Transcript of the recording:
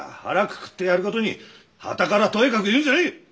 腹くくってやることにはたからとやかく言うんじゃねえ！